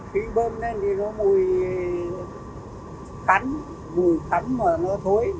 khi bơm lên thì nó mùi khắn mùi khắn mà nó thối